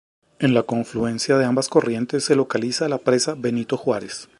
En la confluencia de ambas corrientes se localiza la presa Benito Juárez.